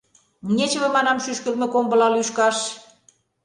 Нечыве, манам, шӱшкылмӧ комбыла лӱшкаш.